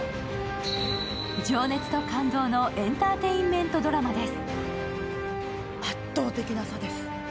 情熱と感動のエンターテインメントドラマです